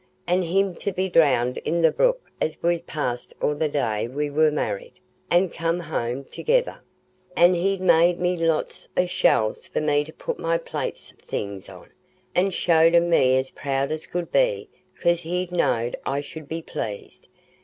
An' him to be drownded in the brook as we passed o'er the day we war married an' come home together, an' he'd made them lots o' shelves for me to put my plates an' things on, an' showed 'em me as proud as could be, 'cause he know'd I should be pleased.